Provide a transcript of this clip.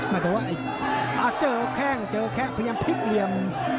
ไม่ต่อว่าอ่ะเจอแค่งเจอแค่งพยายามพลิกเหลี่ยม